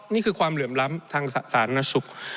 นี่คือความเหลื่อมล้ำทางสาธารณสุข